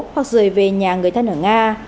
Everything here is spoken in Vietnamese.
hoặc rời về nhà người thân ở nga